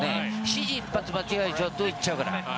指示一発間違えちゃうと外行っちゃうから。